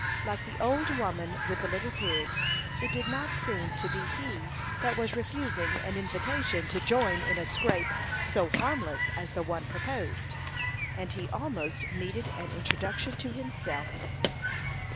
Like the old woman with the little pig, it did not seem to be he that was refusing an invitation to join in a scrape so harmless as the one proposed; and he almost needed an introduction to himself.